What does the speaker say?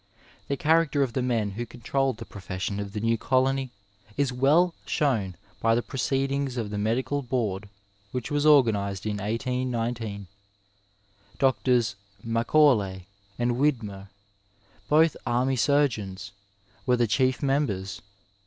The character of the men who controlled the profession of the new colony is well shown by the proceedings of the Medical Board which was organized in 1819. Drs. Ma caulay and Widmer, both army surgeons, were the chief members.